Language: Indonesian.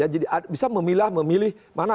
jadi bisa memilah memilih